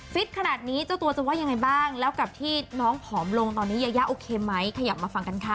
ฟิตขนาดนี้เจ้าตัวจะว่ายังไงบ้างแล้วกับที่น้องผอมลงตอนนี้ยายาโอเคไหมขยับมาฟังกันค่ะ